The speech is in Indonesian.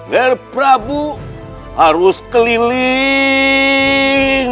ger prabu harus keliling